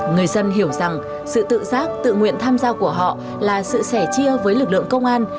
người dân hiểu rằng sự tự giác tự nguyện tham gia của họ là sự sẻ chia với lực lượng công an